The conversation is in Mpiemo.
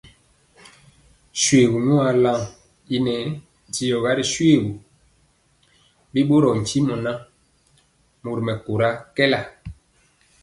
Ashɔgi nyuan lan i nɛɛ diɔga ri shoégu, bi ɓorɔɔ ntimɔ ŋan, mori mɛkóra kɛɛla.